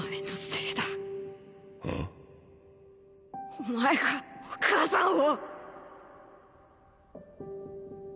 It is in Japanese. おまえがお母さんを！